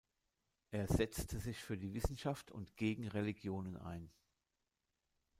Er setzte sich für die Wissenschaft und gegen Religionen ein.